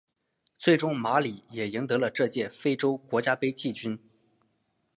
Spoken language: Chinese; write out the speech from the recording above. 最终马里也赢得了这届非洲国家杯季军。